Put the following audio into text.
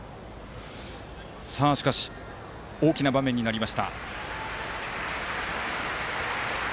しかし、大きな場面になりました。